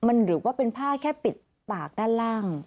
มันหรือว่าเป็นผ้าแค่ปิดปากด้านล่าง